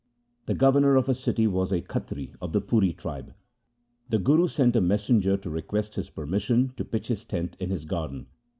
The governor of the city was a Khatri of the Puri tribe. The Guru sent a messenger to request his permis sion to pitch his tent in his garden.